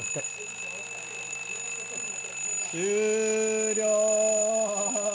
終了。